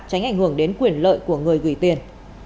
tránh ảnh hưởng đến quyền lợi của người gửi tiền